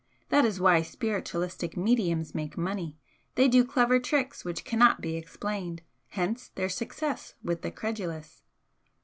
That is why spiritualistic 'mediums' make money. They do clever tricks which cannot be explained, hence their success with the credulous."